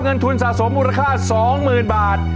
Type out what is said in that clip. เงินทุนสะสมมูลค่าสองหมื่นบาท